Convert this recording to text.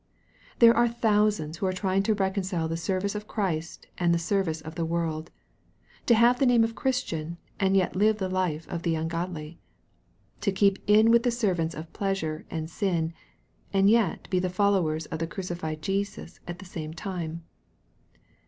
There are thousands who are trying to reconcile the service of Christ and the service of the world, to have the name of Christian and yet live the life of the un godly to keep in with the servants of pleasure and sin, and yet be the followers of the crucified Jesus at the same time.